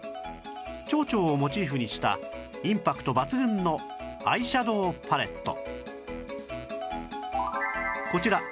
ちょうちょうをモチーフにしたインパクト抜群のアイシャドーパレット